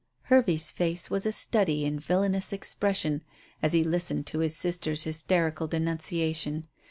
Hervey's face was a study in villainous expression as he listened to his sister's hysterical denunciation.